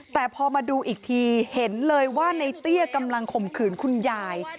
แต่พอมาดูอีกทีเห็นเลยว่าในเตี้ยกำลังข่มขืนคุณยาย